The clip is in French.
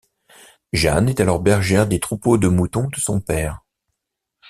Jeanne est alors bergère des troupeaux de moutons de son père.